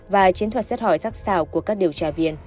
và chiến thuật xét hỏi rắc xào của các điều tra viên